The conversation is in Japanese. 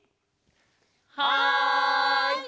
はい！